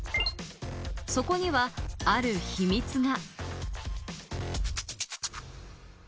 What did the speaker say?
そこにはある秘密が。